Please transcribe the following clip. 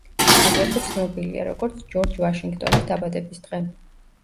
აგრეთვე ცნობილია, როგორც ჯორჯ ვაშინგტონის დაბადების დღე.